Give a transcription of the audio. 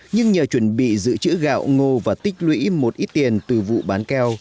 nhưng nhờ chuẩn bị giữ chữ gạo ngô và tích lũy một ít tiền từ vụ bán keo